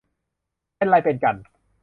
เป็นไรเป็นกัน